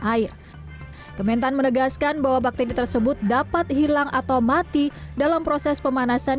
air kementan menegaskan bahwa bakteri tersebut dapat hilang atau mati dalam proses pemanasan